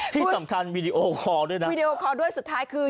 ที่สำคัญวีดีโอคอร์ด้วยนะวีดีโอคอร์ด้วยสุดท้ายคือ